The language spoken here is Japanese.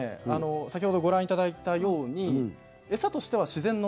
先ほどご覧頂いたようにエサとしては自然の。